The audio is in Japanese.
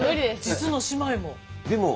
実の姉妹も。